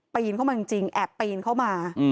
เข้ามาจริงแอบปีนเข้ามา